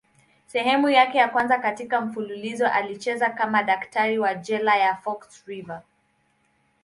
Sehemu yake ya kwanza katika mfululizo alicheza kama daktari wa jela ya Fox River.